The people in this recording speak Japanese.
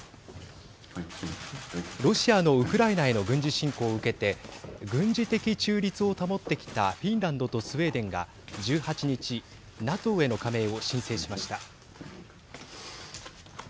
ロシアのウクライナへの軍事侵攻を受けて軍事的中立を保ってきたフィンランドとスウェーデンが１８日、ＮＡＴＯへの加盟を申請しました。